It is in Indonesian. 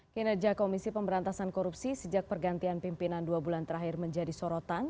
kinerja komisi pemberantasan korupsi sejak pergantian pimpinan dua bulan terakhir menjadi sorotan